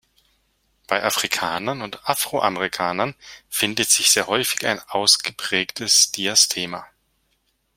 Bei Afrikanern und Afroamerikanern findet sich sehr häufig ein ausgeprägtes Diastema.